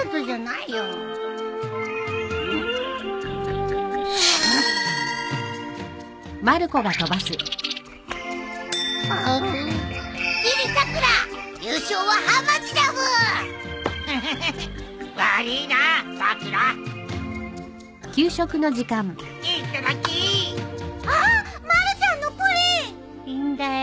いいんだよ